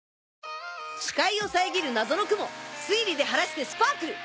視界を遮る謎の雲推理で晴らしてスパークル！